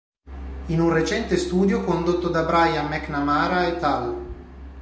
In un recente studio condotto da Brian McNamara et al.